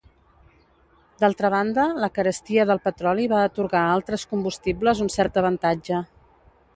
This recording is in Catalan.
D'altra banda, la carestia del petroli va atorgar a altres combustibles un cert avantatge.